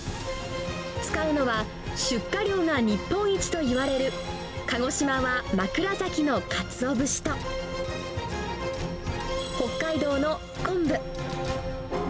使うのは、出荷量が日本一といわれる鹿児島は枕崎のカツオ節と、北海道の昆布。